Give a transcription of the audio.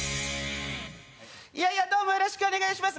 いやいやどうもよろしくお願いします